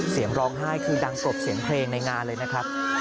เสียงร้องไห้คือดังกลบเสียงเพลงในงานเลยนะครับ